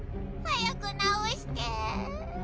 早く治して。